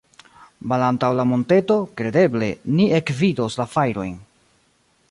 Malantaŭ la monteto, kredeble, ni ekvidos la fajrojn.